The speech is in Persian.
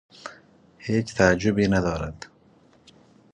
هیچ تعجبی ندارد.